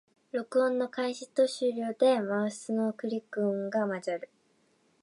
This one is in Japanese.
録音の開始と終了でマウスのクリック音が混ざる